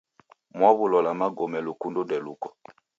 Mwaw'u lola magome lukundo ndeluko